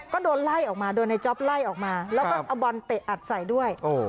ก็โดนไล่ออกมาโดนในจ๊อปไล่ออกมาแล้วก็เอาบอลเตะอัดใส่ด้วย